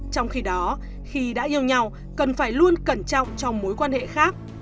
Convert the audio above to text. trong khi đó khi đã yêu nhau cần phải luôn cẩn trọng trong mối quan hệ khác